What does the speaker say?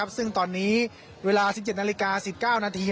ซึ่งตอนนี้เวลา๑๗นาฬิกา๑๙นาที